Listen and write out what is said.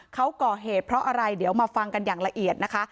เขาก่อเหตุเพราะอะไรเดี๋ยวมาฟังกันอย่างละเอียดนะคะ